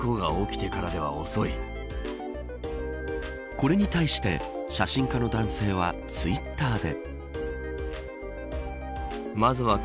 これに対して写真家の男性はツイッターで。